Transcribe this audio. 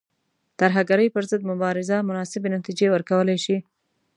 ترهګرۍ پر ضد مبارزه مناسبې نتیجې ورکولای شي.